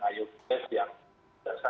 dan ada beberapa event besar